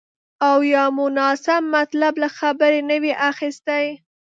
او یا مو ناسم مطلب له خبرې نه وي اخیستی